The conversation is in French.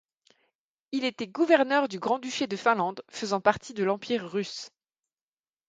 Il était gouverneur du grand-duché de Finlande, faisant partie de l'Empire russe.